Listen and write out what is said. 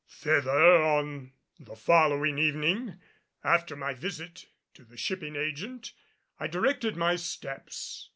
Thither, on the following evening, after my visit to the shipping agent, I directed my steps.